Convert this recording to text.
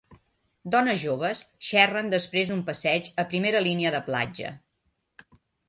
Dones joves xerren després d'un passeig a primera línia de platja.